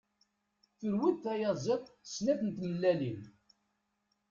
Turew-d tayaziḍt snat n tmellalin.